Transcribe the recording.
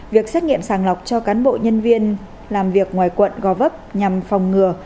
việc xét nghiệm sàng lọc cho cán bộ nhân viên làm việc ngoài quận gò vấp nhằm phòng ngừa